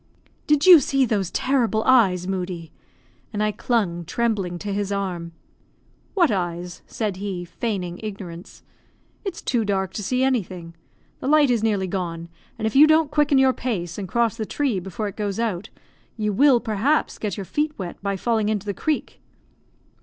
"Did you see those terrible eyes, Moodie?" and I clung, trembling, to his arm. "What eyes?" said he, feigning ignorance. "It's too dark to see anything. The light is nearly gone, and, if you don't quicken your pace, and cross the tree before it goes out, you will, perhaps, get your feet wet by falling into the creek."